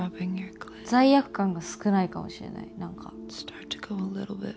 罪悪感が少ないかもしれない何か。